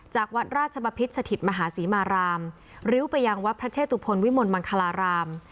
จากวัดราชบพิษสถิตมหาศรีมารามริ้วไปยังวัดพระเชตุพลวิมลมังคลาราม